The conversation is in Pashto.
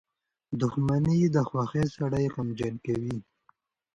• دښمني د خوښۍ سړی غمجن کوي.